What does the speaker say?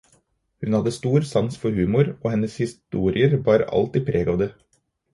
Hun hadde stor sans for humor, og hennes historier bar alltid preg av det.